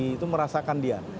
itu merasakan dia